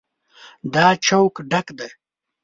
دا چوک ډک دی.